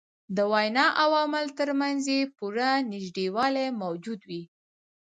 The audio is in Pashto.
د وینا او عمل تر منځ یې پوره نژدېوالی موجود وي.